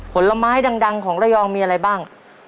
ผลไม้ดังของระยองมีอะไรบ้าง